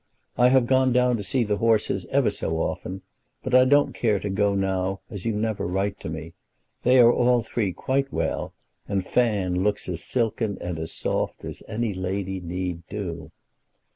I have gone down to see the horses ever so often; but I don't care to go now as you never write to me. They are all three quite well, and Fan looks as silken and as soft as any lady need do.